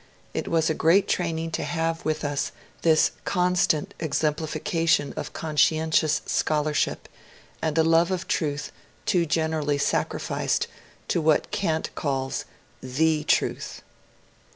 It was a great training to have with us this constant exemplification of conscientious scholarship and a love of truth too generally sacrified to what cant calls ^' the Truth."